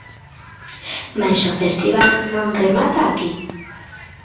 Mais o festival non remata aquí!